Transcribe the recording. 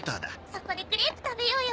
そこでクレープ食べようよ。